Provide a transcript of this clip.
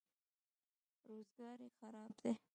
روزګار یې خراب دی.